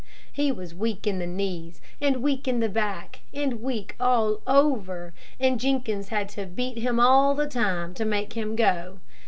He was weak in the knees, and weak in the back, and weak all over, and Jenkins had to beat him all the time, to make him go.